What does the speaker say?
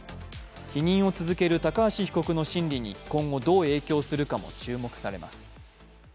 否認を続ける高橋被告の審理に今後どう影響するかも注目されます。